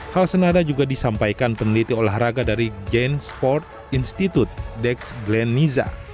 hal senada juga disampaikan peneliti olahraga dari gen sport institute dex glenniza